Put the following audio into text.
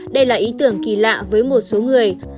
đây là ý tưởng kỳ lạ với một số người